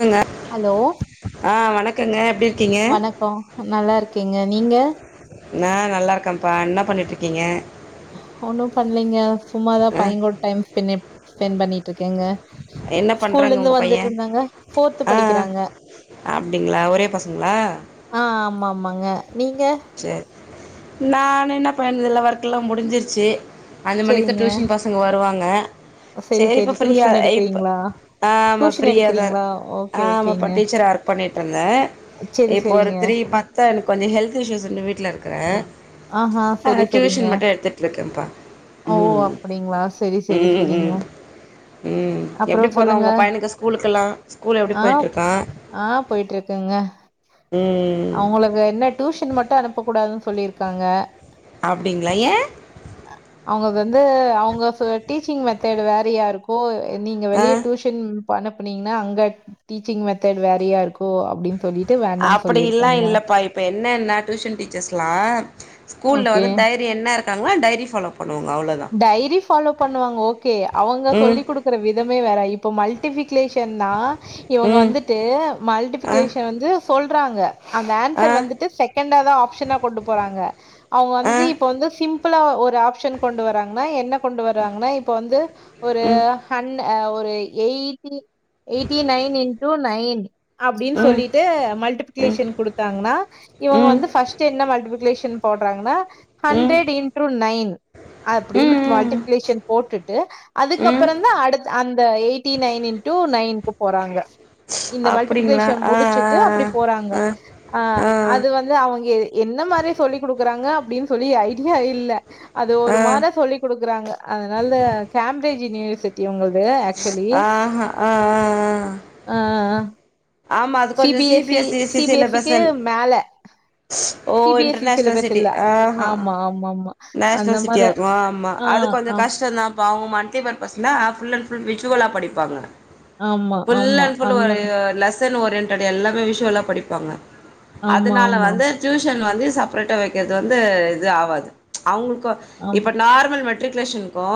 குங்க ஆ வணக்கங்க எப்டி இருக்கீங்க வணக்கோ நல்லா இருக்கீங்க நீங்க நா நல்லாருக்கப்பா என்ன பண்ணிட்ருக்கீங்க சும்மாதா ஆ பையங்கோட டைம் ஸ்பெனு ஸ்பெண்ட் பண்ணிட்டு இருக்கேங்க என்ன ஸ்கூல்ல பண்றாங்க இருந்து உங்க பைய வந்துட்ருந்தாங்க ஃபோர்து ஆ படிக்கிறாங்க அப்டிங்களா ஒரே பசங்களா ஆ ஆமா ஆமாங்க நீங்க நா என்ன பண்ணதில்ல ஒர்க்கெலா முடிஞ்சிருச்சு அஞ்சு மணிக்கு சரிங்க டியூஷன் பசங்க வருவாங்க சரி சேரி இப்ப சரி ஃப்ரீயா டியூஷன் ஐ இப் எடுக்கிறீங்களா ஆமா டியூஷன் ஃப்ரீயா தா எடுக்கிறீங்களா ஓகே ஆமாப்பா ஓகேங்க டீச்சரா ஒர்க் பண்ணிட்ருந்தே சரி இப்போ ஒரு சரிங்க த்ரீ பத்து எனக்கு கொஞ்சோ ஹெல்த் இஷ்யூஸ் வந்து வீட்ல இருக்கிறே ஆஹா ஆ சரி சரிங்க டியூஷன் மட்டு எடுத்துட்டு இருக்கேபா ஓ ம் அப்படிங்களா சரி சரி ம் சரிங்க ம் ம் எப்டி அப்புறம் போதா சொல்லுங்க உங்க பையனுக்கு ஸ்கூலுக்கெல்லா ஸ்கூல் எப்டி ஆ போயிட்ருக்கா ஆ போய்ட்ருக்குங்க ம் ம் ம் டியூஷன் மட்டு அனுப்ப கூடாதுனு சொல்லிருக்காங்க அப்டிங்களா ஏ அவுங்கக வந்து அவுங்க ச டீச்சிங் மெத் தேடு வேறயா இருக்கு நீங்க ஆ வெளிய டியூஷன் ப அனுப்புனீங்கனா அங்க டீச்சிங் மெத்தட் வேறையா இருக்கு அப்டினு சொல்லிட்டு வேண்டானு சொல்லிரு அப்டிலா இல்லப்பா இப்ப என்னனா டியூஷன் டீச்சர்ஸ்லா ஸ்கூல்ல ஓகே. வந்து டைரி என்ன இருக் காங்களா டைரி ஃபாலோப் டைரி ஃபாலோ பண்ணுவாங்க ஓகே அவுங்க ம் சொல்லிக் குடுக்குற விதமே வேற இப்போ மல்டிபிகிலேஷன் நா இவுங்க ம் வந்துட்டு ஆ மல்டிப்ளிகேஷன் வந்து சொல்றாங்க அந்த ஆ ஆன்சர் வந்துட்டு செகண்டா தா ஆப்ஷனா கொண்டு போறாங்க அவுங்க ஆ வந்துட்டு இப்ப வந்து சிம்பிளா ஒரு ஆப்ஷன் கொண்டு வராங்னா என்ன கொண்டு வர்றாங்னா இப்ப வந்து ஒரு ம் அண் அ ஒரு eighty eighty nine into nine அப்டினு ம் சொல்லிட்டு ம் மல்டிபிகிளேஷன் குடுத்தாங்னா இவுங்க ம் வந்து ஃபஸ்ட்டு என்ன மல்டிப்பிளிகேஷன் போடுறாங்னா ம் ம் ஹண்ட்ரெட் இன்டூ நயின் அப்டினுடு மல்டி ம் க்குலேஷன் போட்டுட்டு ம் அதுக்கப்பறோ தா அடுத் அந்த எயிட்டி நைன் இன்டு நயினுகு போறாங்க இந்த அப்டிங்களா மல்டிபிகேஷன் ஆ முடிச்சுட்டு அப்டி போறாங்க ஆ ஆ அ ஆ அது வந்து அவுங்கே என்ன மாரி சொல்லிக் குடுக்குறாங்க அப்டினு சொல்லி ஐடியா இல்ல அது ஒரு ஆ ஆ மார சொல்லி குடுக் க்றாங்க அதனால கேம்பிரிஜ் யூனிவர்சிட்டி உங்கள்து ஆக்சுவலி ஆஹா ஆஆஆ ஆ ஆமா அது சி கொஞ்சோ B S E CBSE C C B S இக்கு சிலபெஸ்சனல் மேல ஓ C B S E international syllabus city இல்ல ஆஹ் ஹா ஆமா ஆமா ஆமா அந்த நேஷ்னல் மார சிட்டியா இருக்கு ஆமா ஆ அது கொஞ்சோ ஆ கஷ்டோ தாப்பா அவுங்க மல்ட்டி பர்பஸ்ல அ ஃபுல் அண்ட் ஃபுல் விஷுவலா படிப்பாங்க ஆமா ஆமா ஃபுல்லண்ட் ஃபுல் அந்த ஒரு லஸ் ஓரியன்டட் எல்லாமே விஷவ ல படிப்பாங்க ஆமா அதனால ஆமா வந்து டியூஷன் னு வந்து செப்ரேட்டா வக்கிறது வந்து இது ஆகாது அவுங்ளுக்கு ஆம் இப்ப நார்மல் மெட்ரிக் க்குலேஷனுக்கு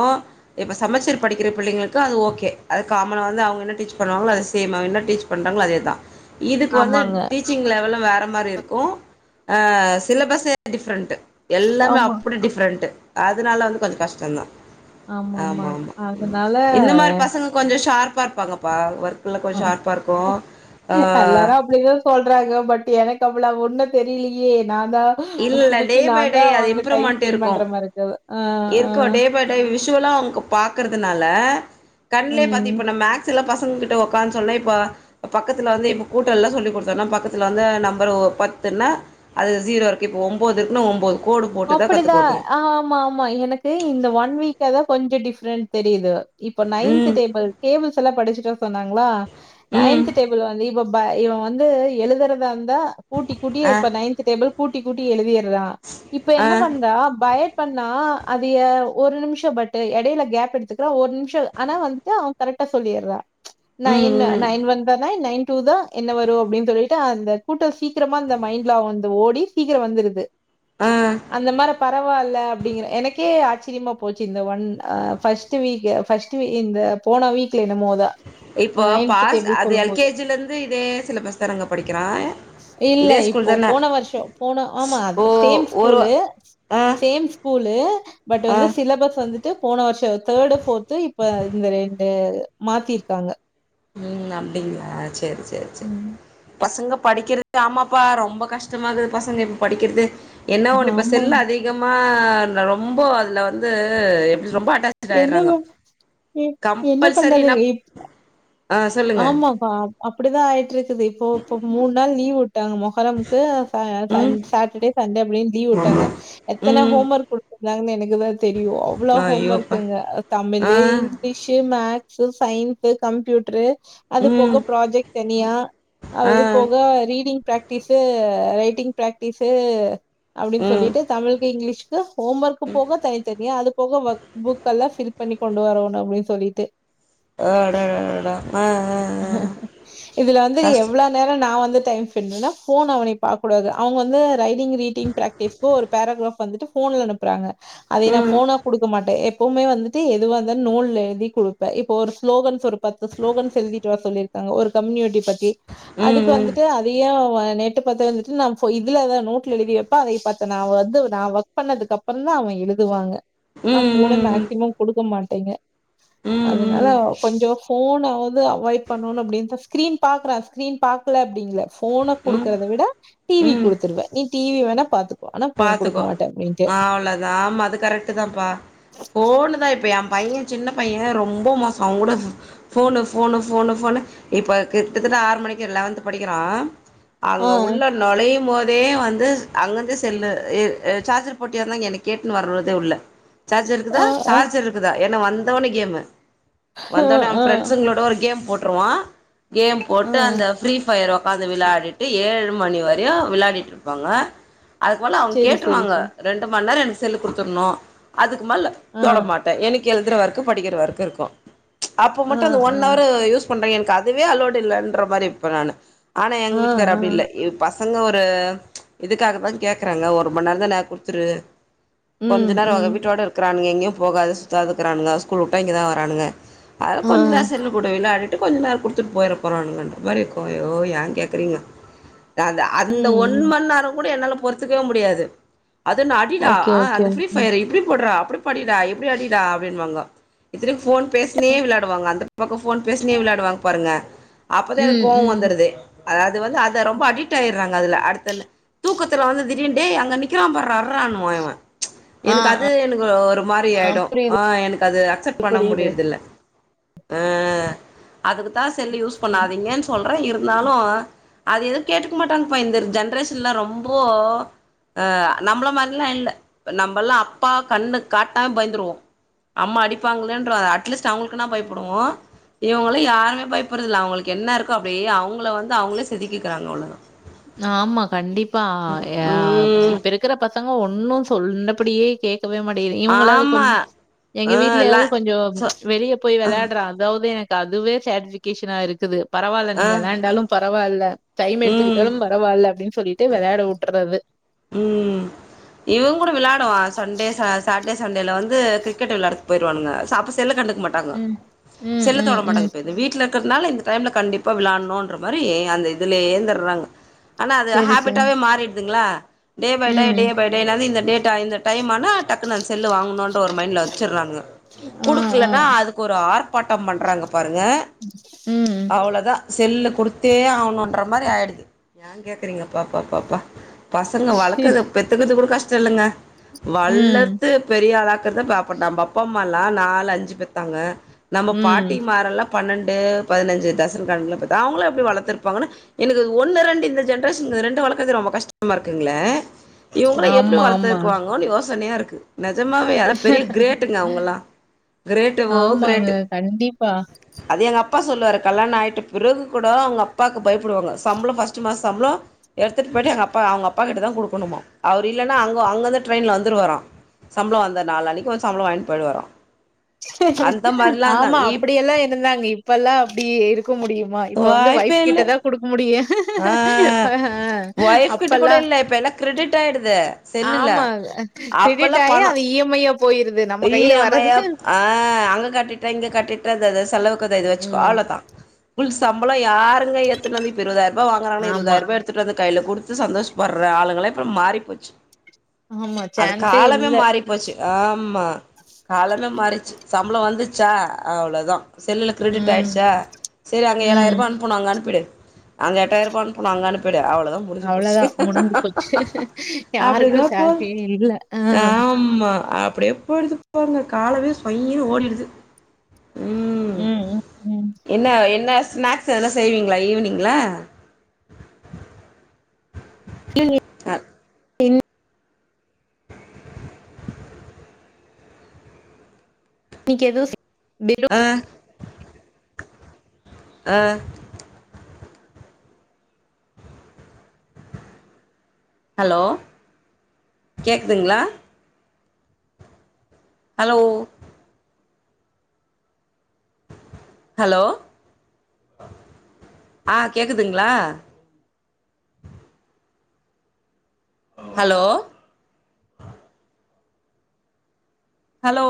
இப்ப சமச்சீர் படிக்கிற பிள்ளைங்களுக்கு அது ஓகே கே அதாது காமனா வந்து அவுங்க என்ன டீச் பண்ணுவாங்ளோ அது சேம் அவுங்க என்ன டீச் பண்றாங்ளோ அதேதா இதுக்கு வந்து ஆமாங்க. டீச்சிங் லெவலு வேற மாரி இருக்கு அ சிலபஸே டிஃப்ரெண்ட் எல்லாமே ஆமா. அப்டி டிஃப்ரெண்ட் அதனால வந்து கொஞ் கஷ்டம்தான் ஆமாமாங்க. ஆமாமா அதனால இந்த மா கொஞ்சம் ஷார்ப்பாக இருப்பாங்கப்பா ஒர் எல்லாரும் அப்டிதான் சொல்றாங்க பட் எனக்கு அப்புளா ஒண்ணு தெரியலையே நான் தான் முக்கி இல்லல்ல டே முக்கி பை நான் டே தான் அது அவங்க டைம் இம்ப்ரூவ்மெண்ட் ஸ்பெண்ட் இருக்கும். பண்ற மாதிர இருக்கது இருக்கும் டே பை டே விஷுவலா அவங்க பாக்குறதுனால கண்லே ம். பாத்திப்ப ந மேக்ஸ்ல பச கிட்ட உக்கார்னு சொன்ன இப்ப பக்கத்துல வந்து இப்ப கூட்ட எல்லம் சொல்லிக் கொடுத்தோனா பக்கத்து வந்து நம்பர் பத்து னா அது ஜீரோ இருக்கு இப்ப ஒம்போதுன்னு ஒம்போது அப்படிதான் ஆமாமா எனக்கு இந்த ஒன் வீக்க தான் கொஞ்சம் டிஃப்ரெண்டட் தெரியுது இபப நைன்த் ம், டேபிள் டேபிள்ஸ் எல்லாம் படிச்சுட்ட சொன்னாங்களா ம். நைன்த் டேபிள் வந்து இப்ப இவன் வந்து எழுதுறதாருந்தா கூட்டி கூட்டி அ, இப்ப நைந்த் டேபிள் கூட்டி கூட்டி எழுதிய இப்ப ஆ, என்ன பண்றா பய பண்ணா அது ஒரு நிமிஷம் பட் இடையில கேப் எடுத்துக்கிற ஒரு நிமிஷம் ஆனா வந்துட்டு அவன் கரெக்ட் ட சொல்லிற ம், நைன் ம். நைன் ஒன்சா நைன் நை டு த என்ன வரும் அப்படின் சொல்லிட்டு அந்த கூட்டல் சீக்கிரமா இந்த மைண்ட்ல வந்து ஓடி சீக்கிரம் வந்துருது ஆ. அந்த மார பரவால்ல அப்படிங்கறேன் எனக்கே ஆச் சிமா போச்சு இந்த ஒன் அ ஃபஷ்ட்டு வீக்கு ஃபஷ்ட்டு வீக் இந்த போன வீக்ல னமோதான் இப்போ பாஸ் அது எல்கேஜிில இருந்து இதே சிலபஸ் தாநங்க படிக்கிறா இல்ல இதே ஸ்கூல் இப்போ தான போன வருஷம் போன ஆமா ஓ சேம் ஒரு ஸ்கூலு ஆ சேம் ஸ்கூலு பட் ஆ வந்து சிலபஸ் வந்துட்டு போன வருஷம் தேர்டு ஃபோர்த்து இப்ப இந்த ரெண்டு மாத்திருக்காங்க ம் அப்படிங்ளா சேர் சேர் சேர் ம் பசங்க படிக்கிறது ஆமாப்பா ரொம்ப கஷ்டமாகுது பசங்க இப்ப படிக்கிறது என்ன ஒண்ணு இப்ப ஆமா. செல்ல அதிகமா அ ரொம்ப அதுல வந்து எப் ரொம்ப அட்டாச் ஆயிடுறாங்க என்னவோ எ என்ன பண்றது ஆ சொல்லுங்க ஆமாப்பா அப்டிதான் ஆயிட்டு இருக்குது இப்போ இப்ப மூணு நாள் லீவு த மொகரமுக்கு ச ச ம் சாட்டர்டே சண்டே அப்டின்னு லீவ் விட்டாங்க எத்தனை ம் ஹோம்ஒர்க் கொடு றாங்ன்னு எனக்கு தா தெரியும் அவ்ளோ ஹோம் ஐயோப்பா ஒர்க்குங்க ஆ Tamil English maths science computer அது போக ம் ப்ராஜெக்ட் தனியா ஆ அது போக reading practice writing practice அப்டின் ம் சொல்லிட்டு தமிழுக்கு இங்கிலீஷ்கு ஹோம் ஒர்க்கு போக தனித்தனியாக அது போக ஒர்க் புக்கெல்லாம் ஃபில் பண்ணி கொண்டு வரணும் அப்டின் சொல்லிட்டு அ அட அடஅடா இதுல வந்து கஷ் எவ்ளோ நேரொ நா வந் து டைம் ஸ்பென் பண்வேனா ஃபோன் அவனே பாக் கதடாது அவங்க வந்து ரைடிங் ரீடிங் பிராக்டீஸ்கக்கூ ஒரு பேரகிராஃப் வந்துட்டு ஃபோன்ல அனுப்புறாங்க அதை நா ம் ஃபோனா கொடுக்க மாட்டே எப்பவுமே வந்துட்டு எதுவா தான் நூல்ல எழுதி கொடுப்பே இப்போ ஒரு ஸ்லோகன்ஸ் ஒரு பத்து ஸ்லோகன் ஸ் எழுத்திட்டு வர சொல்லிருக்காங்க ஒரு கம்யூனிட்டி பத்தி அதுக்கு ம் வந்துட்டு அதைய அவ நேட்டு பாத்து [unintelligible] ட்டு நா ஃபோ இதுலதா நோட்ல எழுதி வைப்ப அதைப் பாத்து நா வந்து நா ஒர்க் பண்ணதுக்கு அப்பற தா அவே எழுதுவாங்க ம் நான் ம் ஃபோனை ம் மேக்சிமம் குடுக்க மாட்டேங்க ம் அதனால ம் அவ கொஞ்சொ ஃபோனாவது அவாய் பண்ணணும் அப்டின்தா ஸ்கிரீன் பாக்றா ஸ்கிரீன் பாக்ல அப்டிங்ள ஃபோன ம் ம் குடுக்குறத விட டிவி ம் குடுத்துருவே நீ டிவி வேணா பாத்து பாத்துக்கோ அவ்ளோதா ஆமா அது கரெக்ட்டு தான் பா ஃபோன்னு தா இப்ப பையன் சின்ன பையன் ரொம்ப மோசொ அவன் கூட ஃபோனு ஃபோனு ஃபோனு ஃபோனு இப்ப கிட்டத்த வந்து ஆறு மணிக்கு லெவன்த் படிக்கிறான் ஆ அங்க உள்ள நுழையும் போதே வந்து அங்கிருந்து செல்லு ர் அ சார்ஜர் போட்டியனுதா என்ன கேட்டுன்னு வர்ரதே உள்ள சர்ஜர் ஆ இருக்குதா ஆ சார்ஜார் இருக்குதா என்ன வந்தோனே கேமு வந்தோனே அவன் ஆ ஃப்ரெண்ட்ஸுங்களோட ஒரு கேம் போட்டுருவான் கேம் ஆ போட்டு அந்த ஃப்ரீ ஃபயரோ அத விளாடிட்டு ஏழு மணி வரையும் விளாடிட்டு இருப்பாங்க அதுக்கு மேல அவங்க செரி செரி கேட்டுவாங்க செரி ரெண்டு மண் நேரொ எனக்கு செல்லு கொடுத்துர்ணும் அதுக் கு மேல ஆ தொட மாட்டே எனக்கு எழுதுற ஒர்க்கு படிக்கிற ஒர்க்கு இருக்கும் அப்ப ஆ மட்டும் அந்த ஆ ஒன் ஹவரு யூஸ் பண்ணிறியே எனக்கு அதுவே அலோட் இல்லன்ற மாரி இருப்ப நானு ஆனா எங்க ஆ வீட்டுக்கார ஆ அப்டி இல்ல பசங்க ஒரு இதுக்காக தான் கேக் குறாங்க ஒரு மணி நேரொ தான கொடுத்துரு ம் கொஞ்சொ நேரொ அங்க ம் வீட்டோட இருக்கிறானுங்க எங்யு போகாது சுத்தாதுக்கிறானுக ஸ்கூல் உட்ட இங்கதா வரானுங்க அதே ஆ கொஞ்ச நேரொ செல்லு குடு விளாடி ட்டு கொஞ்சொ நேரொ கொடுத்துட்டு போய்ட போறானுங்கனு இந்த மாரி இருக்கும் ஐய்யோ ஏன் கேக்குறீங்க அந்த அந்த ம் ஒன் ம் மண் நேரொ கூட என்னால பொறுத்துக்கவே முடியாது அதுனா அடிடா ஓகே ஆ ஓகே அந்த ஃப்ரீ ஃபயர்ரா இப்டி போட்றா அப்டி படிடா எப்டி அடிடா அப்டின்பாங்க இத்தினை ஃபோன் பேசுனே விளாடுவாங்க அந்த பக்கொ ஃபோன் பேசுனே விளாடுவாங்க பாருங்க அப்பதா எனக்கு ம் கோவொ ம் வந்துருது அதாவது வந்து அத ரொம்ப அடிட் ஆயிறாங்க அதுல அடுத்த தூக்கத்துல வந்து தீ டின்டே அங்க நிற்கிறான் பார்ரா அட்ரானுவா இவன் ஆ எனக்கு அது ஆ எனக்கு ஒரு மாரி ஆயிடும் புரியுது ஆ எனக்கு அது அக்செப்ட் பண்ண புரியுது முடியுறதுல்ல அ அதுக்குதா செல்லு யூஸ் பண்ணாதீங்கன்னு சொல் றோ இருந்தாலும் அது எதுவும் கேட்டுக்க மாட்டாங்கப்பா இந்த ஜென்ரேஷன்ல ரொம்போ அஹ நம்மள மாரிலா இல்ல நம்பல்லா அப்பா கண்ணு காட்னா பயந்துடருவோ அம்மா அடிப்பாங்களேன்ற அட்லீஸ்ட் அவங்களுக்குனா பயப்படுவோ இவுங்கள யருமே பயப்படுறதுல்ல அவுங்களுக்கு என்ன இருக்கே அப்டியே அவுங்கள வந்து அவுங்களே செதுக்கிகிறாங்க அவ்ளோதா ஆமா கண்டிப்பா யா ம் இப்ப இருக்ற பசங் பசங்க ஒன்னும் சொன்னபடியே கேட்கவே மாட்டிது இவுங்களாவ்து கொஞ் ஆமா எங்க ஆ ல வீட்லயாவது கொஞ்சொ சொ வெளிய போய் வெளையாடுறான் அதாவ்து எனக் கு அதுவே சாட்ஃபிக்கேஷ்னா இருக்குது பரவால்ல நீ ஆ விளாண்டாலும் பரவால்ல டைம் எடுத்துக் ம் ட்டாலும் பரவால்ல அப்டின்னு சொல்லிட்டு விளையாட உட்றது ம் இவன் கூட விளாடுவான் சண்டே ச சா ட்டே சண்டேல வந்து கிரிக்கெட்ட விளாடுது பெயிருவானுங்க சப்ப செல்ல கண்டுக்க மாட்டாங்க ம். ம், செல்ல ம், தொட ம். மாட்டாங்க இப்ப இது வீட்ல இருக்கிறனால இந்த டைம்ல கண்டிப்பா விளாணுன்கற மாரி அந்த இதுலயே இருந்துர்றாங்க ஆனா அது சரி, சரி. ஹேபிட்டாவே மாறிடுதுங்ளா டே பை டே ம். டே பை டே என்னாது இந்த டேட்டா இந்த டைம் ஆனா டக்குனன்ஸ் செல்லு வாங்கணுனு ஒரு மைண்டல வெச்சிர்றாங்க ஆ, ஆ. குடுக்கலனா அது ஒரு ஆர்ப்பாட்டம் பண்றாங்க பாருங்க ம். அவ்ளதா செல்ல குடுத்தே ஆகணுன்ற மாரி ஆயிடுது ஏன் கேக்குறீங்க பா பா பா ப சங்க வளக்கது பெத்துகுது கூட கஷ்டோ இல்லங்க ம், வளர்த்து பெரிய ஆளா க்கிறத பாப்போ நம்ம அப்பா அம்மால்லா நாலு அஞ்சு பெத்தாங்க நம்ம பாட்டி ம். மாறெல்லா பன்னெண்டு பதினஞ்சு டெசன் கணக்குல பெத்தாங்க அவுங்கெல்லா எப்டி வளர்த்து இருப்பாங்கனா எனக்கு ஒன்னு ரெண்டு இந்த ஜென்ரேஷன் இந்த ரெண்டு வளக்கறதே ரொம்ப கஷ்டமா இருக்குங்ளே இவுங்கெல்லா எப்டி ஆமா, ஆமா. வளர்த்துருக்குவாங்கோனு ஓசனையா இருக்கு நிஜமாவே அதெல்லா பெரிய கிரேட்டுங்க அவுங்கெல்லா கிரேட் ஓ ஆமாங்க. கிரேட்டு கண்டிப்பா. அது எங்க அப் அப்பா சொல்லுவாரு கல்யாணயிட்டு பிறகு கூட அவுங்க அப்பாக்கு பயப்படுவாங்க சம்பளோ ஃபர்ஸ்ட் மாச சம்பளோ எடுத்துட்டு போயிட்டு எங்க அப்பா அவுங்க அப்பாகிட்டதா குடுக்கணுமா அவரு இல்லனா அங் அங்கேந்து ட்ரெய்ன்ல வந்துருவாரா சம்பளோ வந்த நாலு அன்னைக்கு வந்து சம்பளோ வாங்கிட்டு போயிடு வாரா ஆமா அப்டியெல்லா இருந்தாங்க இப்பெல்லா அப்டி இருக்க முடியுமா இப்ப வந்து வைஃப் வாய்ப்பே இல்லை கிட்டதா குடுக்க முடியு ஆ வைஃப் கிட்ட கூட அப்பல்லாம் இல்ல இப்ப எல்லா க்ரெடிட் ஆயிடுது இந்த செல்லுல ஆமா. கிரெடிட் அப்பெல்லா ஆயி பணோ அது இஎம்ஐயா போயிருது. நம்ம இ கையில எம் ஆ வர்றது ஆ ஆ அங்க கட்டிட்ட இங்க கட்டிட்ட அது எதோ செலவுக்கு அதை இத வெச்சுக்கோ ம். அவ்ளோதா ஃபுல் சம்பளோ யாருங்க ஏத்துனது இருவது ரூபா வாங்குறாங்கனா ஆமா, இருபதாயிரூபா எடுத்துட்டு வந்து கைல குடுத்து சந்தோஷப்படற ஆளுங்க எல்லா இப்ப மாறிப் போச்சு ஆமா. அது சான்ஸே காலமே இல்ல. மாறிப்போச்சு ஆமா காலமே மாறிச்சு சம்பளோ வந்துச்சா அவ்ளதா செல்லுல கிரெடிட் ம், ஆயிடுச்சா சரி அங்க ம். ஏழாயிரூபா அனுப்பணு அங்க அனுப்பிடு அங்க எட்டாயிர ரூபா அனுப்பனு அங்க அனுப்பிடு அவ்ளதா முடிஞ்சு போச்சு அவ்வளோதான் முடிஞ்சு போச்சு. அப்டிதா யாருக்கும் போது சேலரியே இல்ல. ஆ. ஆமா ஆமா அப்டியே போயிடுது போங்க காலமே சொய்யினு ஓடிடுது ம் ம். ம். என்ன என்ன ஸ்நாக்ஸ் எதனா செய்வீங்ளா ஈவ்னிங்ல அ ன் இன்னைக்கு எது [inaudible] ஆ அ ஹலோ கேக்குதுங்ளா ஹலோ ஹலோ ஆ கேக்குதுங்ளா ஹலோ ஹலோ